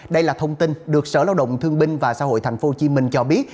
đây là thông tin được sở lao động thương binh và xã hội tp hcm cho biết